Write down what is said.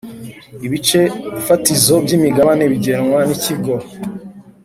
ibice fatizo by’imigabane bugenwa n Ikigo